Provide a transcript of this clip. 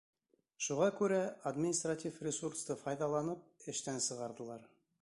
Шуға күрә, административ ресурсты файҙаланып, эштән сығарҙылар.